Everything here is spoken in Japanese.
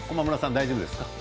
大丈夫ですか。